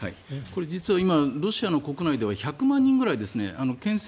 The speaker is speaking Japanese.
これ実はロシアの国内では１００万人くらい建設